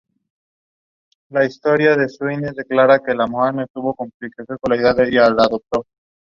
This species is only found in Fiordland.